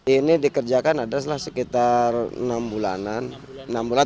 ini dikerjakan adalah sekitar enam bulanan